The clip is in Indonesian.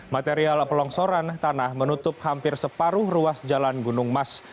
material pelongsoran tanah menutup hampir separuh ruas jalan gunung mas